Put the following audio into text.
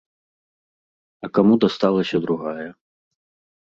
А каму дасталася другая?